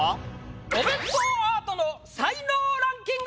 お弁当アートの才能ランキング！